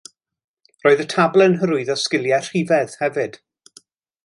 Bydd y tabl yn hyrwyddo sgiliau rhifedd hefyd